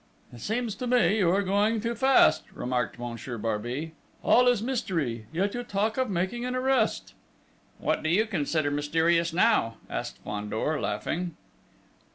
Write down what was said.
"It seems to me you are going too fast!" remarked Monsieur Barbey. "All is mystery yet you talk of making an arrest!" "But what do you consider mysterious now?" asked Fandor, laughing.